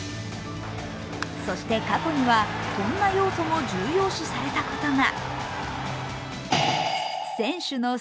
そして過去には、こんな要素も重要視されたことが。